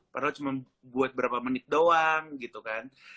padahal cuma buat berapa menit doang gitu kan